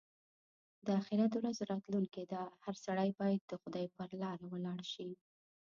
د اخيرت ورځ راتلونکې ده؛ هر سړی باید د خدای پر لاره ولاړ شي.